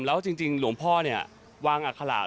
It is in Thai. แล้วจริงหลวงพ่อวางอาคาราต